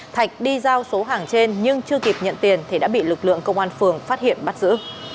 thạch đi giao số hàng trên nhưng chưa kịp nhận tiền thì đã bị lực lượng công an phường phát hiện bắt giữ